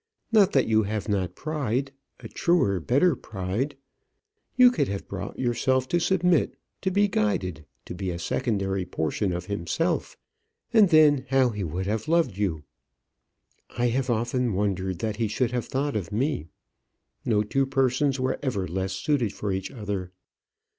Not that you have not pride, a truer, better pride. You could have brought yourself to submit, to be guided, to be a secondary portion of himself and then how he would have loved you! I have often wondered that he should have thought of me. No two persons were ever less suited for each other.